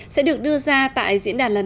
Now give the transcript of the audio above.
sẽ được đưa ra tại diễn đàn lần này